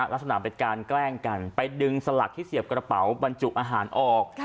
ลักษณะเป็นการแกล้งกันไปดึงสลักที่เสียบกระเป๋าบรรจุอาหารออก